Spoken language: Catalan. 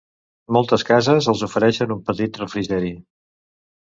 Moltes cases els ofereixen un petit refrigeri.